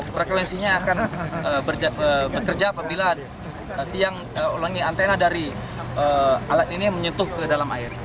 frekuensinya akan bekerja apabila tiang ulangi antena dari alat ini menyentuh ke dalam air